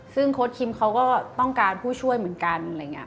ซึ่งโค้ชคิมเขาก็ต้องการผู้ช่วยเหมือนกัน